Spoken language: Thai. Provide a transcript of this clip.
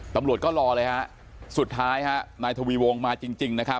ตำรวจก็รอเลยสุดท้ายนายทวีวงมาจริง